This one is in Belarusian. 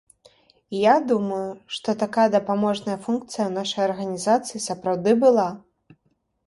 І я думаю, што такая дапаможная функцыя ў нашай арганізацыі сапраўды была.